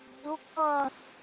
そっか。